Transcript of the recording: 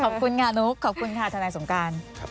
ขอบคุณค่ะนุ๊กขอบคุณค่ะทนายสงการ